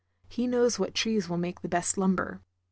He knows what trees will make the best lumber.